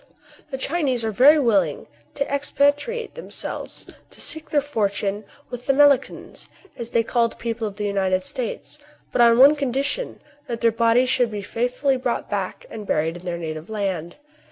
The Chinese are very willing to expatriate them selves to seek their fortune with the " Melicans," as they call the people of the United States, but on one condition, that their bodies shall be faith fully brought back, and buried in their native land.